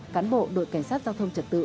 cán bộ đội cảnh sát giao thông trật tự